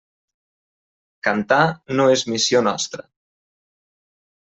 Cantar no és missió nostra.